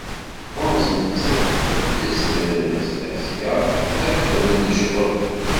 Ɣur-s nettat, teddez tebrez, azekka ad t-texdem d ccɣel.